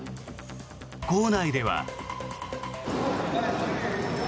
構内では。